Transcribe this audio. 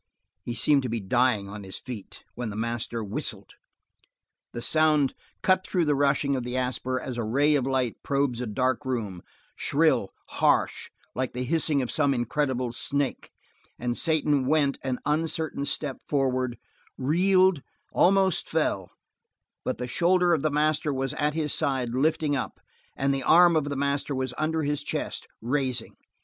He seemed to be dying on his feet, when the master whistled. The sound cut through the rushing of the Asper as a ray of light probes a dark room, shrill, harsh, like the hissing of some incredible snake, and Satan went an uncertain step forward, reeled, almost fell; but the shoulder of the master was at his side lifting up, and the arm of the master was under his chest, raising.